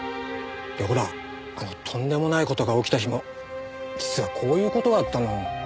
ほらあのとんでもない事が起きた日も実はこういう事があったの。